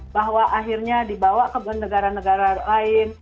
bahwa akhirnya dibawa ke negara negara lain